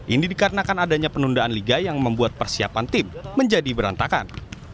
ini dikarenakan adanya penundaan liga yang membuat persiapan tim menjadi berantakan